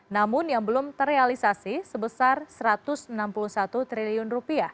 namun yang belum terrealisasi sebesar rp satu ratus enam puluh satu triliun